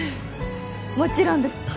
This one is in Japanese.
もちろんです